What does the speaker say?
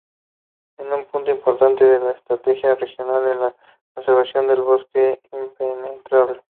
Es un punto importante de estrategia regional en la conservación del bosque "Impenetrable".